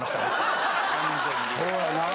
そうやなぁ。